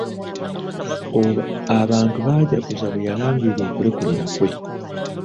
Abantu baajaguza bwe yalangirira okulekulira kwe.